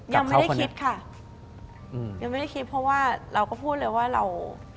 ยังไม่ได้คิดค่ะอืมยังไม่ได้คิดเพราะว่าเราก็พูดเลยว่าเรา